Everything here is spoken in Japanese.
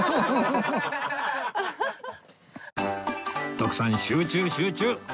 徳さん集中集中